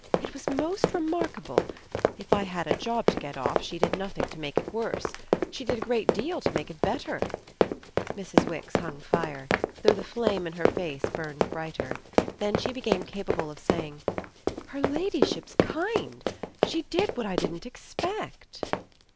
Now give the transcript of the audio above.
It was most remarkable. If I had a job to get off she did nothing to make it worse she did a great deal to make it better." Mrs. Wix hung fire, though the flame in her face burned brighter; then she became capable of saying: "Her ladyship's kind! She did what I didn't expect."